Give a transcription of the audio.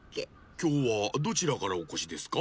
きょうはどちらからおこしですか？